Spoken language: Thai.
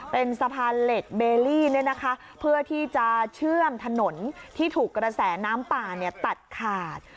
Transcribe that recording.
เป็นสะพานเหล็กเบลลี่เพื่อที่จะเชื่อมถนนที่ถูกกระแสน้ำป่าตัดขาด